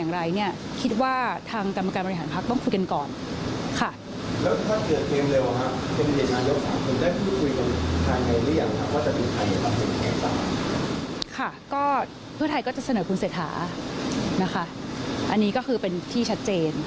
แต่ว่าเราก็ทำไปทีละขั้น